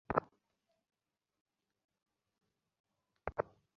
আধ্যাত্মিক প্রশান্তির জায়গায় স্বাগতম।